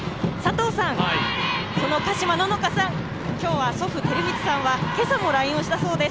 その加島希夏さん、今日は祖父・照光さんは今朝もＬＩＮＥをしたそうです。